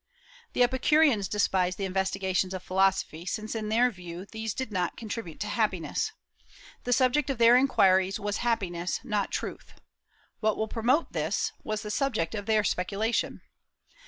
The Epicureans despised the investigations of philosophy, since in their view these did not contribute to happiness. The subject of their inquiries was happiness, not truth. What will promote this? was the subject of their speculation.